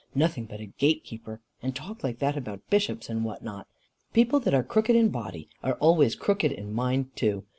Nothing but a gate keeper, and talk like that about bishops and what not! People that are crooked in body are always crooked in mind too.